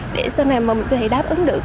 để sau này mình có thể đáp ứng được